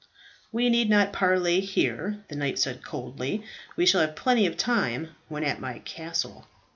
"We need not parley here," the knight said coldly. "We shall have plenty of time when at my castle."